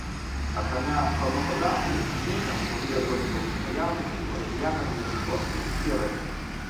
Акрамя складнога даху, знешне аўтамабіль адрозніваўся наяўнасцю радыятарнай рашоткі спераду.